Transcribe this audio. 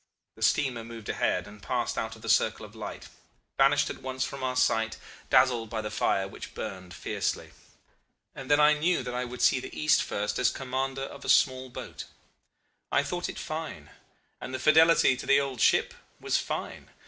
The steamer moved ahead, and passing out of the circle of light, vanished at once from our sight, dazzled by the fire which burned fiercely. And then I knew that I would see the East first as commander of a small boat. I thought it fine; and the fidelity to the old ship was fine.